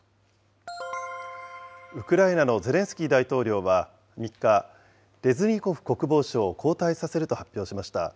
ウクライナのゼレンスキー大統領は３日、レズニコフ国防相を交代させると発表しました。